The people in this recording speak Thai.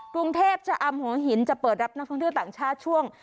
กรุงเทพชะอำหัวหินจะเปิดรับนักท่องเที่ยวต่างชาติช่วง